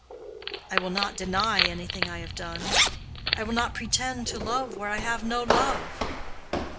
I will not deny anything I have done. I will not pretend to love where I have no love.